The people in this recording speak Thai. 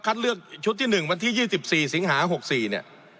คัดเลือกชุดที่หนึ่งวันที่ยี่สิบสี่สิงหาหกสี่เนี่ย